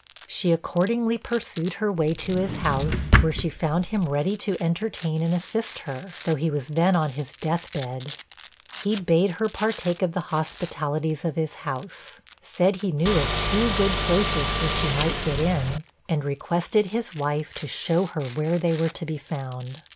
She accordingly pursued her way to his house, where she found him ready to entertain and assist her, though he was then on his death bed. He bade her partake of the hospitalities of his house, said he knew of two good places where she might get in, and requested his wife to show her where they were to be found.